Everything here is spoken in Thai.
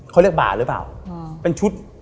เขาเรียกบ่าหรือเปล่าเป็นชุด